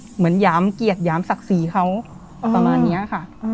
หยามเกียรติหยามศักดิ์ศรีเขาประมาณนี้ค่ะ